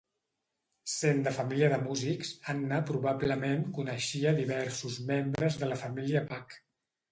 Sent de família de músics, Anna probablement coneixia diversos membres de la família Bach.